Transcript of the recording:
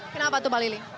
kenapa tuh pak lili